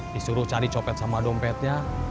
disuruh cari copet sama dompetnya